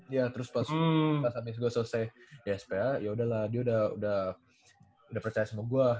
iya terus pas pas abis gua selesai sma ya udahlah dia udah percaya sama gua